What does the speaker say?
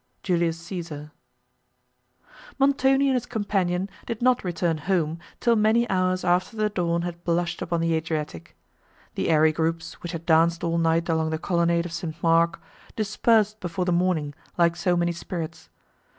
JULIUS CÆSAR Montoni and his companion did not return home, till many hours after the dawn had blushed upon the Adriatic. The airy groups, which had danced all night along the colonnade of St. Mark, dispersed before the morning, like so many spirits.